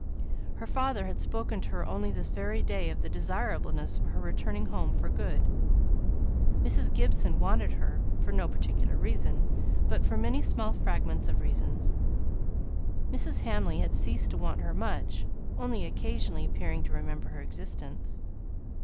Her father had spoken to her only this very day of the desirableness of her returning home for good. Mrs. Gibson wanted her for no particular reason, but for many small fragments of reasons. Mrs. Hamley had ceased to want her much, only occasionally appearing to remember her existence.